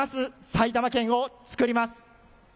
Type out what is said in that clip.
埼玉県をつくります。